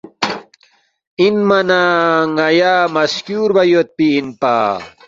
انما نہ ن٘یا مہ سکیُوربا یودپی اِنپا